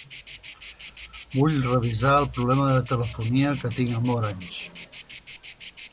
Vull revisar el problema de telefonia que tinc amb Orange.